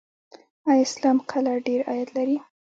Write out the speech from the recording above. آیا اسلام قلعه ډیر عاید لري؟